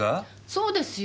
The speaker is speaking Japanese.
そうですよ。